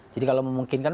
jadi kalau memungkinkan